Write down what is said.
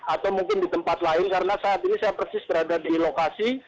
atau mungkin di tempat lain karena saat ini saya persis berada di lokasi